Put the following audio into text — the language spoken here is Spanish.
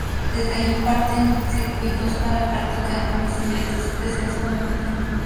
Desde allí parten circuitos para practicar con bicicletas, descenso de montaña.